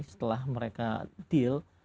setelah mereka deal